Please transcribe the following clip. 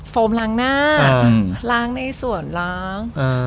โมล้างหน้าล้างในสวนล้าง